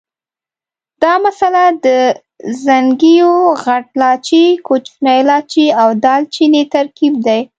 دا مساله د ځڼکیو، غټ لاچي، کوچني لاچي او دال چیني ترکیب دی.